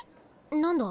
何だ？